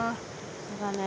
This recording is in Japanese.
そうだね。